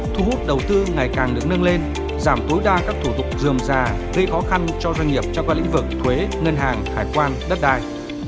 thu hút đầu tư ngày càng được nâng lên giảm tối đa các thủ tục dườm già gây khó khăn cho doanh nghiệp trong các lĩnh vực thuế ngân hàng hải quan đất đai